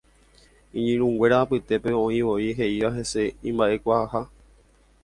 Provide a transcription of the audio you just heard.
Iñirũnguéra apytépe oĩvoi he'íva hese imba'ekuaaha.